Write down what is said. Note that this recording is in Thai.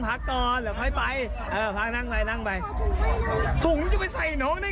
ถุงที่มันมีซิฟน์ไงหนึ่งจะใส่น้องได้